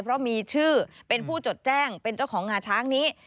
เพราะมีชื่อเป็นผู้จดแจ้งเป็นเจ้าของงาช้างนี้